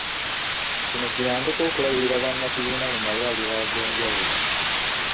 Kino kiyambeko okulabirira bannakibiina mu malwaliro ag'enjawulo.